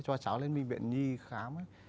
cho cháu lên viện nhi khám ấy